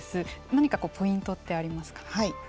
何かポイントってありますか。